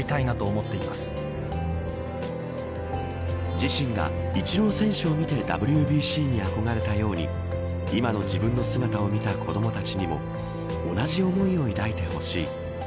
自身がイチロー選手を見てＷＢＣに憧れたように今の自分の姿を見た子どもたちにも同じ思いを抱いてほしい。